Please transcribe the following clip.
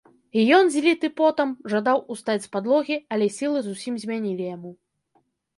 І ён, зліты потам, жадаў устаць з падлогі, але сілы зусім змянілі яму.